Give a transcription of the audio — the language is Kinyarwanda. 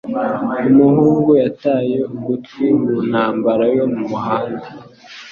Umuhungu yataye ugutwi mu ntambara yo mu muhanda.